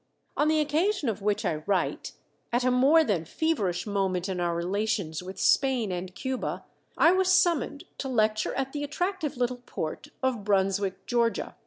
On the occasion of which I write, at a more than feverish moment in our relations with Spain and Cuba, I was summoned to lecture at the attractive little port of Brunswick, Georgia.